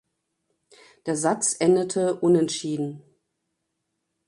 Der Satz endete Unentschieden.